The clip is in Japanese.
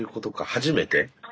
初めて？